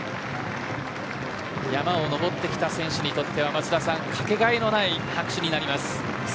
山を登ってきた選手にとってはかけがえのない拍手になります。